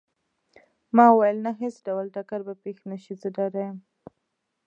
ما وویل: نه، هیڅ ډول ټکر به پېښ نه شي، زه ډاډه یم.